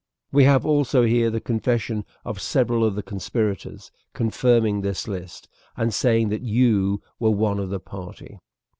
We have also here the confession of several of the conspirators confirming this list, and saying that you were one of the party."